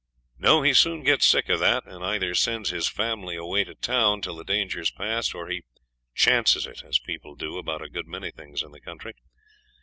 No, he soon gets sick of that, and either sends his family away to town till the danger's past, or he 'chances it', as people do about a good many things in the country.